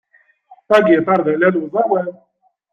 Agiṭar d allal uẓawan.